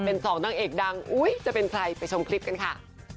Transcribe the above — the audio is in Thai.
เป็นสองนางเอกดังอุ๊ยจะเป็นใครไปชมคลิปกันค่ะ